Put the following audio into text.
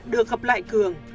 được gặp lại cường